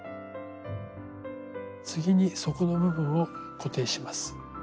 次に底の部分を固定します。